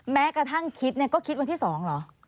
แม้กระทั่งคิดเนี่ยก็คิดวันที่๒เหรอ